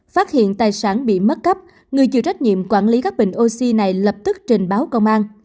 phát hiện tài sản bị mất cấp người chịu trách nhiệm quản lý các bình oxy này lập tức trình báo công an